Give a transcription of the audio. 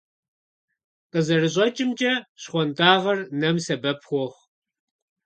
КъызэрыщӀэкӀымкӀэ, щхъуантӀагъэр нэм сэбэп хуохъу.